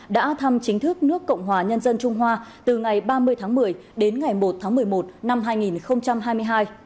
đã thăm chính thức nước cộng hòa nhân dân trung hoa từ ngày ba mươi tháng một mươi đến ngày một tháng một mươi một năm hai nghìn hai mươi hai